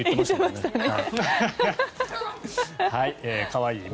可愛いわ。